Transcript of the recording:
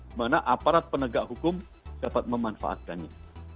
dimana aparat penegak hukum dapat memanfaatkannya